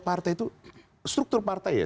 partai itu struktur partai ya